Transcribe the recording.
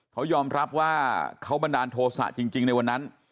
เขายอมรับว่าเขาบันดาลโทษะจริงในวันนั้น